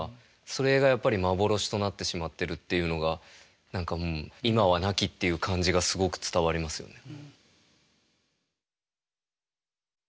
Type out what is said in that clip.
それがやっぱり幻となってしまってるっていうのが何か今はなきっていう感じがすごく伝わりますよね。